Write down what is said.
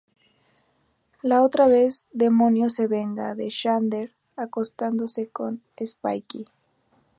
La otra-vez-demonio se venga de Xander acostándose con Spike.